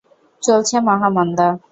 চলছে মহামন্দা।